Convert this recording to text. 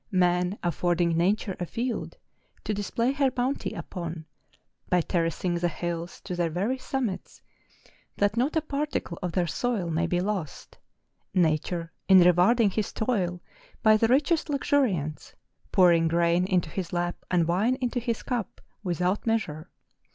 Man affording Nature a field to display her bounty upon, by ter¬ racing the hills to their very summits, that not a particle of their soil may be lost,—Nature in reward¬ ing his toil by the richest luxuriance, pouring grain into his lap, and wine into his cup, without measure.